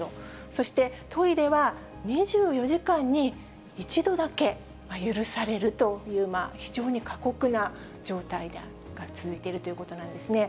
そして、トイレは２４時間に１度だけ許されるという、非常に過酷な状態が続いているということなんですね。